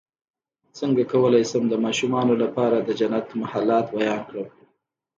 څنګه کولی شم د ماشومانو لپاره د جنت محلات بیان کړم